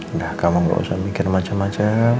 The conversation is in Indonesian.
udah kamu gak usah mikir macam macam